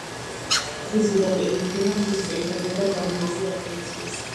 ტბის ზედაპირი თბება მზის პირდაპირი და გაბნეული რადიაციით.